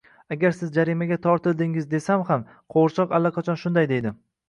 Agar siz jarimaga tortildingiz desam ham, qo'g'irchoq allaqachon shunday deydi